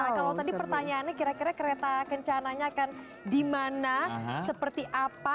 kalau tadi pertanyaannya kira kira kereta kencananya akan dimana seperti apa